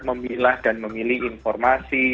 memilah dan memilih informasi